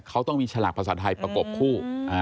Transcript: เขาต้องมีฉลากภาษาไทยประกบคู่